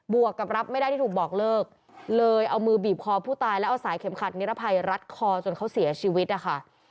วกกับรับไม่ได้ที่ถูกบอกเลิกเลยเอามือบีบคอผู้ตายแล้วเอาสายเข็มขัดนิรภัยรัดคอจนเขาเสียชีวิตนะคะ